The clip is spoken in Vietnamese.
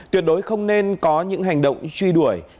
tuyệt đối không nên có những hành động truy đuổi